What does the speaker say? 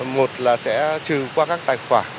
một là sẽ trừ qua các tài khoản